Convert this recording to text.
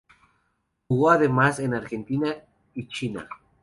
Jugó además en Argentina y en China.